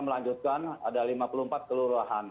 melanjutkan ada lima puluh empat kelurahan